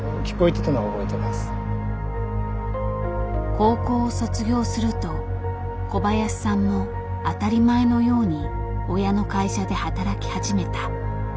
高校を卒業すると小林さんも当たり前のように親の会社で働き始めた。